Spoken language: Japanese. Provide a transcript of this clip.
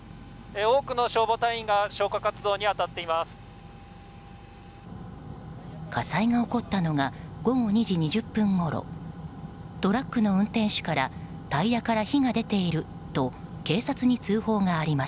多くの消防隊員が消火活動に当たっています。